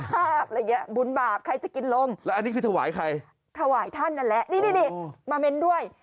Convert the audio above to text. ภาพบุญบาปใครจะกินลงแล้วอันนี้คือถวายใครถวายท่านนั้นแล้วนี่มาเม้นด้วย